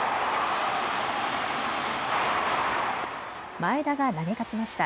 前田が投げ勝ちました。